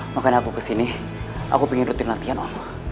makanya aku kesini aku pengen rutin latihan oh